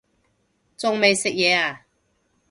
仲未食嘢呀